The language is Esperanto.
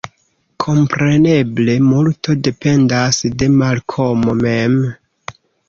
Kompreneble multo dependas de Malkomo mem.